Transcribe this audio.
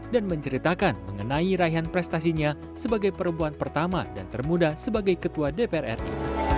dan menceritakan mengenai raihan prestasinya sebagai perempuan pertama dan termuda sebagai ketua dpr ri